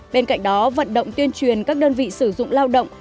bên cạnh đó vận động tuyên truyền các đơn vị sử dụng lao động